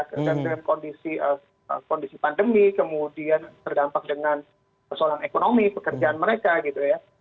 kemudian kondisi pandemi kemudian terdampak dengan persoalan ekonomi pekerjaan mereka gitu ya